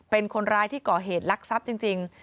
เป็นคนร้ายที่ก่อเหตุลักษัพจริง